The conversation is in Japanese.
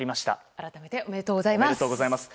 改めておめでとうございます。